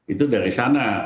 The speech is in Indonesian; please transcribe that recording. itu dari sana